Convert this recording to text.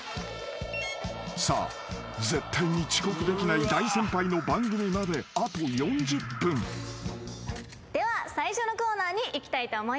［さあ絶対に遅刻できない大先輩の番組まであと４０分］では最初のコーナーにいきたいと思います。